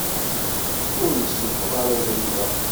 Ur issufuɣ ara ubrid-a.